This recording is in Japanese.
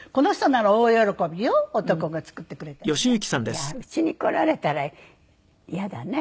いやうちに来られたらイヤだね。